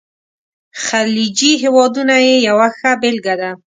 خلیجي هیوادونه یې یوه ښه بېلګه ده.